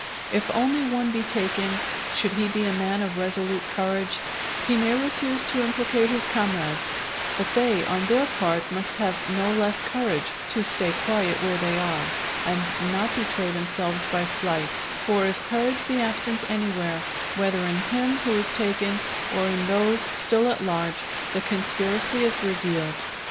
If only one be taken, should he be a man of resolute courage, he may refuse to implicate his comrades; but they on their part must have no less courage, to stay quiet where they are, and not betray themselves by flight; for if courage be absent anywhere, whether in him who is taken or in those still at large, the conspiracy is revealed.